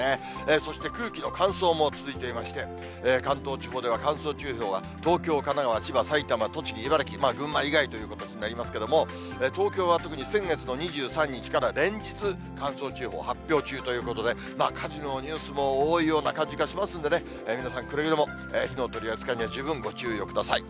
そして空気の乾燥も続いていまして、関東地方では乾燥注意報が東京、神奈川、千葉、埼玉、栃木、茨城、群馬以外ということになりますけれども、東京は特に先月の２３日から連日、乾燥注意報を発表中ということで、火事のニュースも多いような感じがしますんでね、皆さん、くれぐれも火の取り扱いには十分ご注意をください。